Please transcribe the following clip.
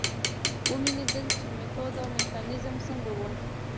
ومې لیدل چې میتود او میکانیزم څنګه و.